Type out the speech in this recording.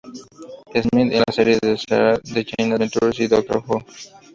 Smith, en las series "The Sarah Jane Adventures" y "Doctor Who".